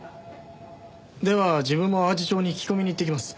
では自分も淡路町に聞き込みに行ってきます。